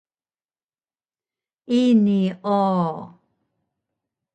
Ini o